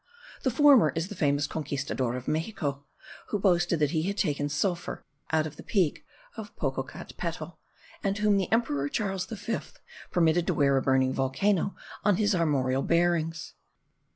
The former is the famous Conquistador of Mexico, who boasted that he had taken sulphur out of the crater of the Peak of Popocatepetl, and whom the emperor Charles V permitted to wear a burning volcano on his armorial bearings.